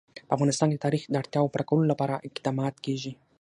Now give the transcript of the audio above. په افغانستان کې د تاریخ د اړتیاوو پوره کولو لپاره اقدامات کېږي.